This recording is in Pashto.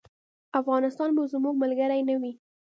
افغانستان به زموږ ملګری نه وي.